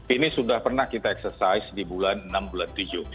ini sudah pernah kita eksersis di bulan enam bulan tujuh